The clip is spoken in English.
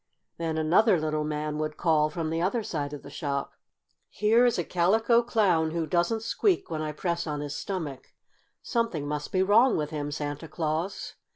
Then another little man would call, from the other side of the shop: "Here is a Calico Clown who doesn't squeak when I press on his stomach. Something must be wrong with him, Santa Claus."